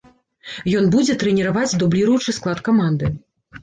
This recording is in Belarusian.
Ён будзе трэніраваць дубліруючы склад каманды.